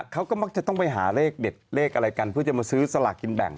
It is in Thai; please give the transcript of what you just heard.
เขาก็มักจะต้องไปหาเลขเด็ดเลขอะไรกันเพื่อจะมาซื้อสลากกินแบ่ง